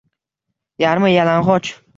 Yarmi yalang’och